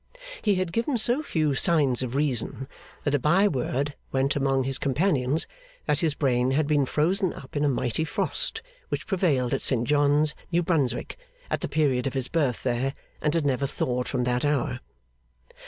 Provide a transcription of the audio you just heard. He had given so few signs of reason, that a by word went among his companions that his brain had been frozen up in a mighty frost which prevailed at St John's, New Brunswick, at the period of his birth there, and had never thawed from that hour.